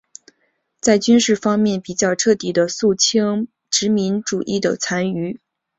在军事方面比较彻底地肃清殖民主义的残余。